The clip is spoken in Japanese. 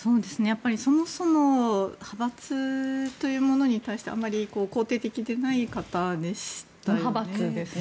そもそも派閥というものに対してあまり肯定的ではない方でしたよね。